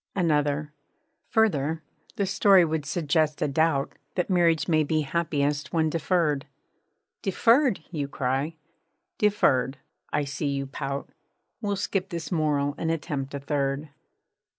_ ANOTHER Further, the story would suggest a doubt That marriage may _be happiest when deferr'd _ 'Deferr'd?' you cry 'Deferr'd,' I see you pout, _ We'll skip this morale and attempt a third.